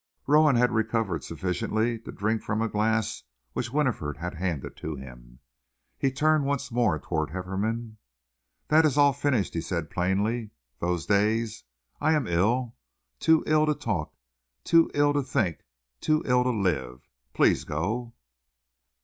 Rowan had recovered sufficiently to drink from a glass which Winifred had handed to him. He turned once more toward Hefferom. "That is all finished," he said painfully, "those days. I am ill, too ill to talk, too ill to think, too ill to live! Please go."